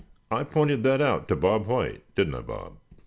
I pointed that out to Bob White, didn't I, Bob?"